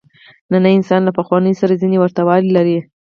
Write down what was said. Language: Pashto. نننی انسان له پخوانیو سره ځینې ورته والي لري.